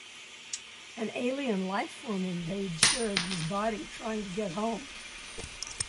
An alien life form invades Sheridan's body, trying to get home.